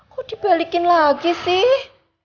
kok dibalikin lagi sih